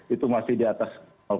itu masih di atas